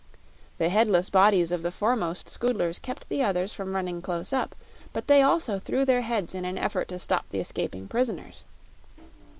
The headless bodies of the foremost Scoodlers kept the others from running close up, but they also threw their heads in an effort to stop the escaping prisoners.